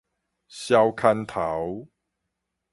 消牽頭